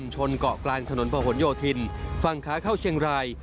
ชนเกาะกลางถนนประหลโยธินฝั่งขาเข้าเชียงราย